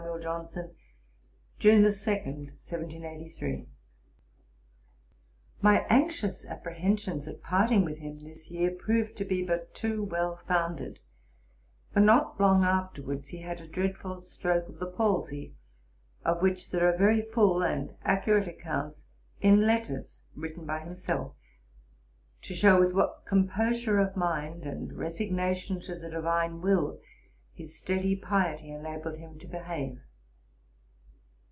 JOHNSON. June 2, 1783.' My anxious apprehensions at parting with him this year proved to be but too well founded; for not long afterwards he had a dreadful stroke of the palsy, of which there are very full and accurate accounts in letters written by himself, to shew with what composure of mind, and resignation to the Divine Will, his steady piety enabled him to behave.